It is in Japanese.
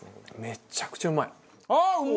めっちゃくちゃうまい。